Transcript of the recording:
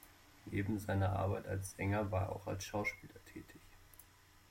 Neben seiner Arbeit als Sänger war er auch als Schauspieler tätig.